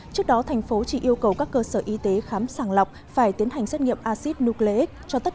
trước đó thành phố chỉ yêu cầu các cơ sở y tế khám sàng lọc phải tiến hành xét nghiệm acid nucleic cho tất